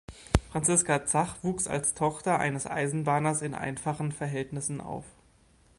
Franziska Zach wuchs als Tochter eines Eisenbahners in einfachen Verhältnissen auf.